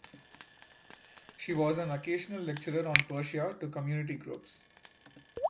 She was an occasional lecturer on Persia to community groups.